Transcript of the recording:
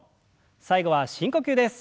最後は深呼吸です。